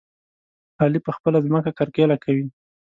علي په خپله ځمکه کرکيله کوي.